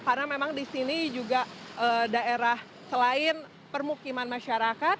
karena memang di sini juga daerah selain permukiman masyarakat